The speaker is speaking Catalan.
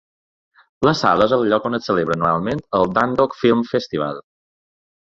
La sala és el lloc on es celebra anualment el "Dungog Film Festival" .